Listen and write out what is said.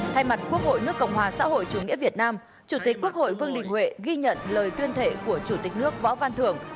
thay mặt quốc hội nước cộng hòa xã hội chủ nghĩa việt nam chủ tịch quốc hội vương đình huệ ghi nhận lời tuyên thệ của chủ tịch nước võ văn thưởng